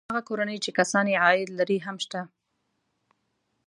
همدارنګه هغه کورنۍ چې کسان یې عاید لري هم شته